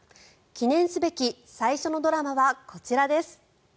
記念すべき最初のドラマはこちらです。